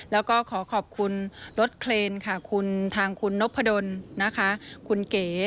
แล้วก็ขอขอบคุณรถเคลนค่ะคุณทางคุณนพดลนะคะคุณเก๋